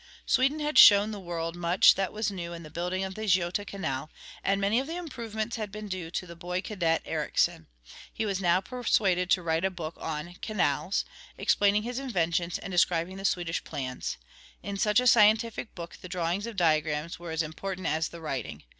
Sweden had shown the world much that was new in the building of the Göta Canal, and many of the improvements had been due to the boy cadet Ericsson. He was now persuaded to write a book on "Canals," explaining his inventions and describing the Swedish plans. In such a scientific book the drawings of diagrams were as important as the writing.